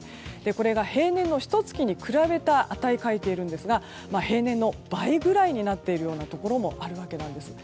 これが平年のひと月に比べた値を書いていますが平年の倍くらいになっているところもあるわけです。